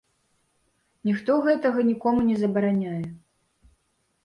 Ніхто гэтага нікому не забараняе.